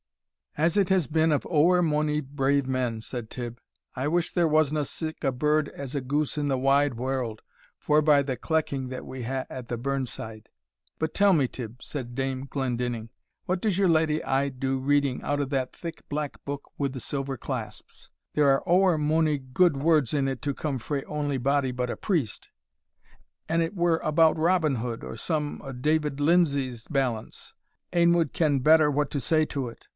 "As it has been of ower mony brave men," said Tibb; "I wish there wasna sic a bird as a goose in the wide warld, forby the clecking that we hae at the burn side." "But tell me, Tibb," said Dame Glendinning, "what does your leddy aye do reading out o' that thick black book wi' the silver clasps? there are ower mony gude words in it to come frae ony body but a priest An it were about Robin Hood, or some o' David Lindsay's ballants, ane wad ken better what to say to it.